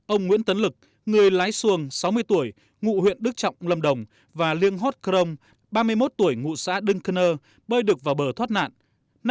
ông nguyễn tấn lực người lái xuồng sáu mươi tuổi ngụ huyện đức trọng lâm đồng và liêng hot krong ba mươi một tuổi ngụ xã đưng cơ nơ bơi được vào bờ thoát nạn